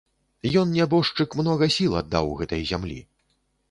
Ён, нябожчык, многа сіл аддаў гэтай зямлі.